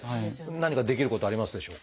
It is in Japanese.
何かできることはありますでしょうか？